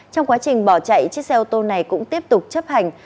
trong quá trình bỏ chạy chiếc xe ô tô này cũng tiếp tục chấp hành